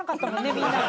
みんな。